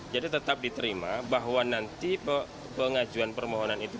jadi tetap diterima bahwa nanti pengajuan permohonan itu